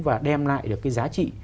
và đem lại được cái giá trị